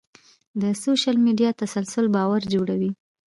د سوشل میډیا تسلسل باور جوړوي.